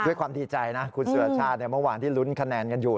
ด้วยความดีใจนะคุณสุรชาติเมื่อวานที่ลุ้นคะแนนกันอยู่